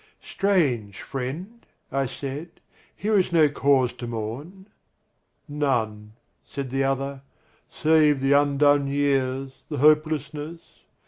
"Strange, friend," I said, "Here is no cause to mourn." "None," said the other, "Save the undone years, The hopelessness.